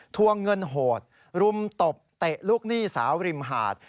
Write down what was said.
วงเงินโหดรุมตบเตะลูกหนี้สาวริมหาด